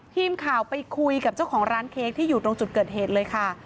ทีมข่าวไปคุยกับเจ้าของร้านเค้กที่อยู่ตรงจุดเกิดเหตุเลยค่ะ